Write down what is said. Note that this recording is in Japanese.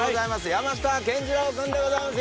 山下健二郎君でございます。